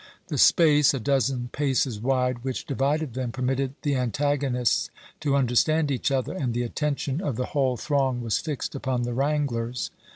The space, a dozen paces wide, which divided them, permitted the antagonists to understand each other, and the attention of the whole throng was fixed upon the wranglers.